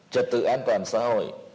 trật tự an toàn xã hội